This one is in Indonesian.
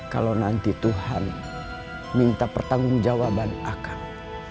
kalau nanti tuhan minta pertanggung jawaban akan